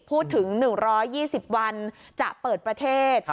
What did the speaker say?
พูดถึง๑๒๐วันจะเปิดประเทศ